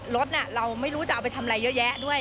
รถเราไม่รู้จะเอาไปทำอะไรเยอะแยะด้วย